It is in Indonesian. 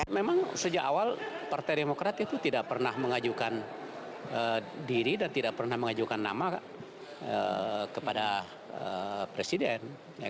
memang sejak awal partai demokrat itu tidak pernah mengajukan diri dan tidak pernah mengajukan nama kepada presiden